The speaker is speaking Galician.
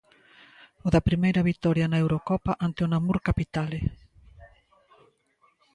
O da primeira vitoria na Eurocopa ante o Namur Capitale.